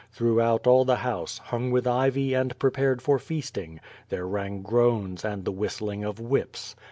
Throughout all the house, hung with ivy and prepared for feasting, there rang groans and the whistling of whips.